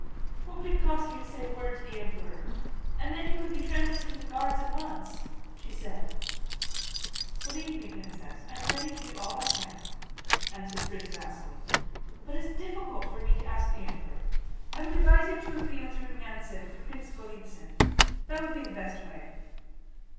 "What would it cost you to say a word to the Emperor, and then he would be transferred to the Guards at once?" said she. "Believe me, Princess, I am ready to do all I can," answered Prince Vasíli, "but it is difficult for me to ask the Emperor. I should advise you to appeal to Rumyántsev through Prince Golítsyn. That would be the best way."